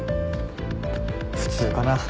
普通かな。